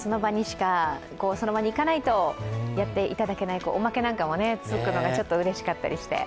その場に行かないとやっていただけないおまけなんかもつくのがちょっとうれしかったりして。